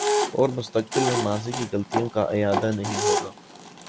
اورمستقبل میں ماضی کی غلطیوں کا اعادہ نہیں ہو گا۔